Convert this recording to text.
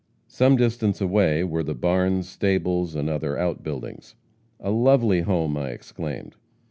Some distance away were the barns, stables and other outbuildings. 'A lovely home!' I exclaimed.